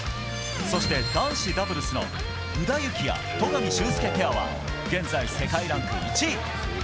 そして、男子ダブルスの宇田幸矢・戸上隼輔ペアは現在、世界ランク１位。